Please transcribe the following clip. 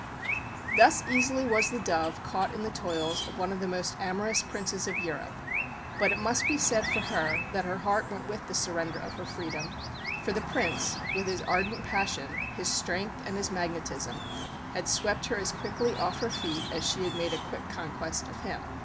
Thus easily was the dove caught in the toils of one of the most amorous Princes of Europe; but it must be said for her that her heart went with the surrender of her freedom, for the Prince, with his ardent passion, his strength and his magnetism, had swept her as quickly off her feet as she had made a quick conquest of him.